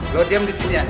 lo diem disini ya